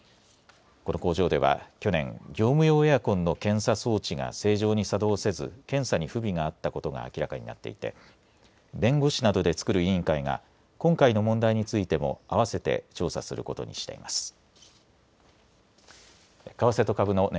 この工場では去年、業務用エアコンの検査装置が正常に作動せず、検査に不備があったことが明らかになっていて、弁護士などで作る委員会が、今回の問題についても併せて調査することにしています。